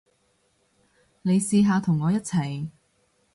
你試下同我一齊